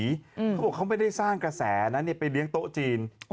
เขาบอกเขาไม่ได้สร้างกระแสนะไปเลี้ยงโต๊ะจีน